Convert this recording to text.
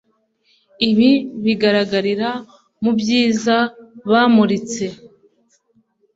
Ibi bigaragarira mubyiza bamuritse